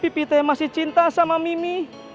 pipee te masih cinta sama mimi